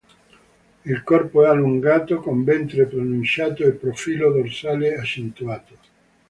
Il corpo è allungato, con ventre pronunciato e profilo dorsale accentuato.